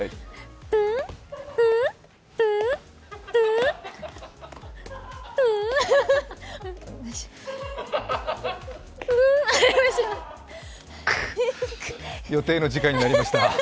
プゥ、プゥ予定の時間になりました。